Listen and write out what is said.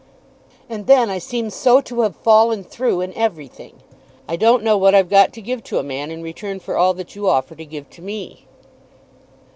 "And then I seem so to have fallen through in everything. I don't know what I've got to give to a man in return for all that you offer to give to me."